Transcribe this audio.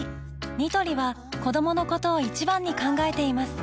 ニトリは子どものことを一番に考えています